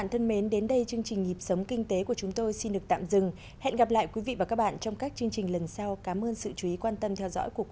hãy đăng ký kênh để ủng hộ kênh mình nhé